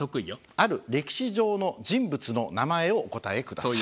ある歴史上の人物の名前をお答えください。